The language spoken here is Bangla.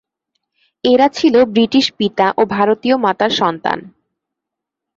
এরা ছিল ব্রিটিশ পিতা ও ভারতীয় মাতার সন্তান।